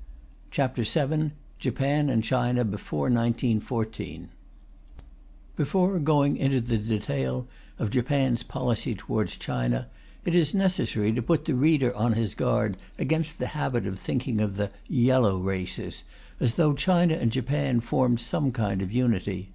"] CHAPTER VII JAPAN AND CHINA BEFORE 1914 Before going into the detail of Japan's policy towards China, it is necessary to put the reader on his guard against the habit of thinking of the "Yellow Races," as though China and Japan formed some kind of unity.